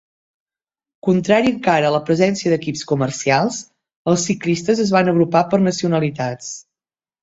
Contrari encara a la presència d'equips comercials, els ciclistes es van agrupar per nacionalitats.